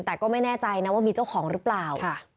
แต่ก็ไม่แน่ใจนะว่ามีเจ้าของหรือเปล่า